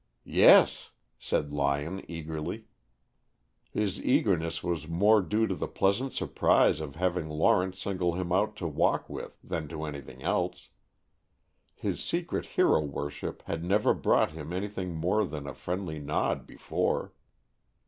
"Yes," said Lyon, eagerly. His eagerness was more due to the pleasant surprise of having Lawrence single him out to walk with than to anything else. His secret hero worship had never brought him anything more than a friendly nod before.